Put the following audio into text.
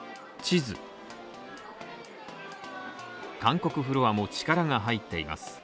韓国フロアも力が入っています。